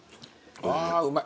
あうまい。